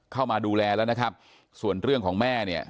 เข้ามาดูแลแล้วนะครับส่วนเรื่องของแม่เนี่ย